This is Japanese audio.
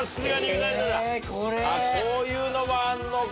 こういうのもあんのか。